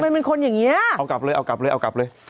เป็นคนอย่างนี้เอากลับเลยเอากลับเลยเอากลับเลย